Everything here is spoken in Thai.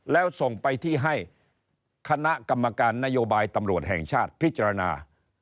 แล้วส่งไปที่ให้คณะกรรมการนโยบายตำรวจแห่งชาติพิจารณา